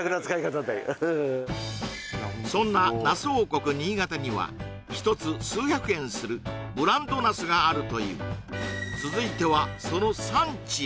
そんなナス王国・新潟には１つ数百円するブランドナスがあるという続いてはその産地へ